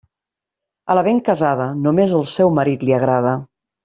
A la ben casada, només el seu marit li agrada.